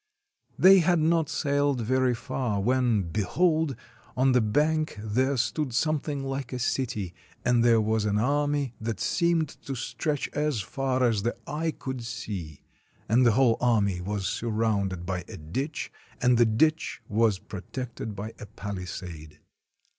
They had not sailed very far when, behold! on the bank there stood something like a city, and there was an army that seemed to stretch as far as the eye could' see; and the whole army was surrounded by a ditch, and the ditch was protected by a palisade.